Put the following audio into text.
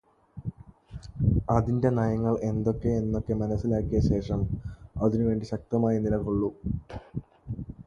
അതിന്റെ നയങ്ങൾ എന്തൊക്കെ എന്നൊക്കെ മനസ്സിലാക്കിയ ശേഷം അതിനു വേണ്ടി ശക്തമായി നിലകൊള്ളൂ.